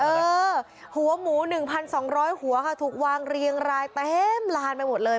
เออหัวหมูหนึ่งพันสองร้อยหัวค่ะถูกวางเรียงรายเต็มล้านไปหมดเลย